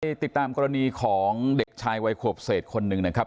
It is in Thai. ติดตามกรณีของเด็กชายวัยขวบเศษคนหนึ่งนะครับ